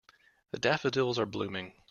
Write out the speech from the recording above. The daffodils are blooming.